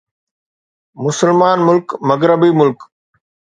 مسلمان ملڪ مغربي ملڪ